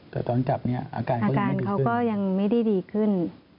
แต่ตอนจับเนี่ยอาการเขาก็ยังไม่ได้ดีขึ้น